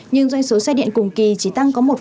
nhưng doanh số xe điện cùng kỳ chỉ tăng có một